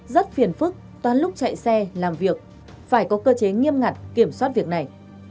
rất phiền phức lúc chạy xe làm việc phải có cơ chế nghiêm ngặt kiểm soát việc này